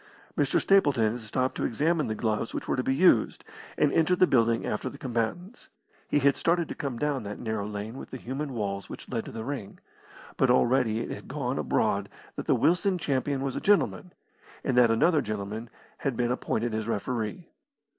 Mr. Stapleton had stopped to examine the gloves which wore to be used, and entered the building after the combatants. He had started to come down that narrow lane with the human walls which led to the ring. But already it had gone abroad that the Wilson champion was a gentleman, and that another gentleman had been appointed as referee.